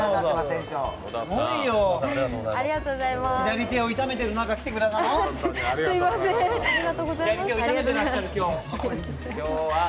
左手を痛めてる中、来てくださいました。